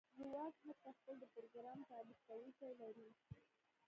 ځواک حتی خپل د پروګرام تالیف کونکی لري